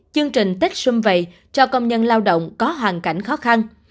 chương trình tết xuân vầy cho công nhân lao động có hoàn cảnh khó khăn